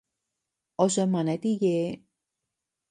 我想問你啲嘢